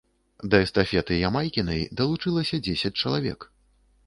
Да эстафеты Ямайкінай далучылася дзесяць чалавек.